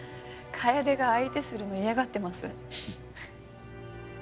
楓が相手するの嫌がってます。